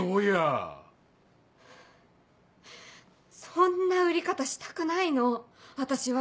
そんな売り方したくないの私は。